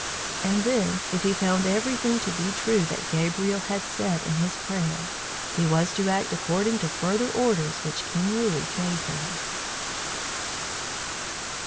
And then, if he found everything to be true that Gabriel had said in his prayer, he was to act according to further orders which King Louis gave him.